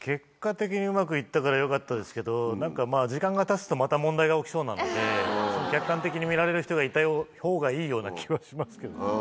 うまくいったからよかったですけど、なんかまあ、時間がたつと、また問題が起きそうなので、客観的に見られる人がいたほうがいいような気はしますけれどもね。